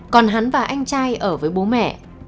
còn hắn và anh trai ở với bố mẹ